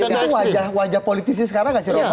itu wajah politisi sekarang